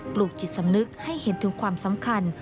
ลูกจิตสำนึกให้เห็นถึงความสำคัญ